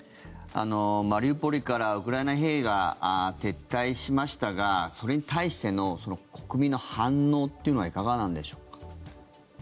マリウポリからウクライナ兵が撤退しましたがそれに対しての国民の反応っていかがなんでしょうか？